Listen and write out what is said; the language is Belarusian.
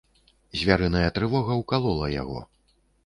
Звярыная трывога ўкалола яго.